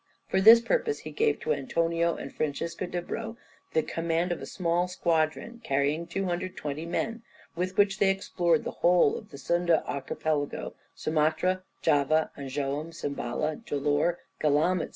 For this purpose he gave to Antonio and Francisco d'Abreu the command of a small squadron carrying 220 men, with which they explored the whole of the Sunda Archipelago, Sumatra, Java, Anjoam, Simbala, Jolor, Galam, &c.